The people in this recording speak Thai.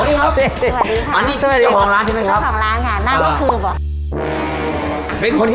อร่อยมาก